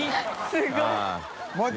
すごい